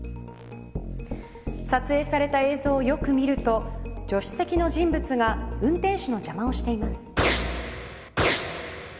撮影された映像をよく見ると助手席の人物が運転手の邪魔をしています。